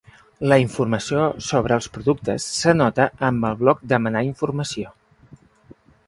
La informació sobre els productes s'anota amb el bloc demanar informació.